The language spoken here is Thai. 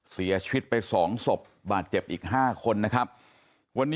เสียชีวิตไป๒สบบาดเจ็บอีก๕คน